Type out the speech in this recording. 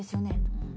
うん。